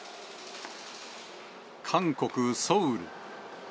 韓国・ソウル。